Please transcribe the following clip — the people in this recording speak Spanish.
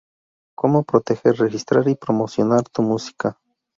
Como proteger, registrar y promocionar tu música